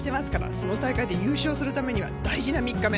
その大会で優勝するためには大事な３日目。